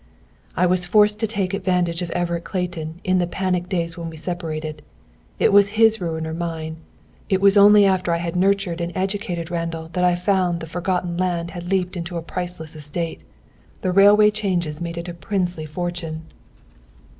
"I was forced to take advantage of Everett Clayton in the panic days when we separated. It was his ruin or mine. It was only after I had nurtured and educated Randall that I found the forgotten land had leaped into a priceless estate. The railway changes made it a princely fortune.